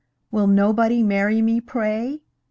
Will nobody marry me, pray!